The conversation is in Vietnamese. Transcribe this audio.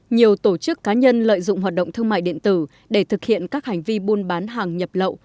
nhiều tổ chức cá nhân lợi dụng hoạt động thương mại điện tử để thực hiện các hành vi buôn bán hàng nhập lậu